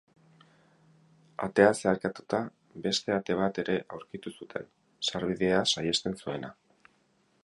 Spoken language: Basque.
Atea zeharkatuta, beste ate bat ere aurkitu zuten, sarbidea saihesten zuena.